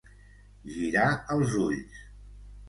Girar els ulls.